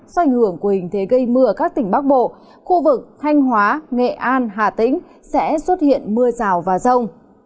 do ảnh hưởng của hình thế gây mưa ở các tỉnh bắc bộ khu vực thanh hóa nghệ an hà tĩnh sẽ xuất hiện mưa rào và rông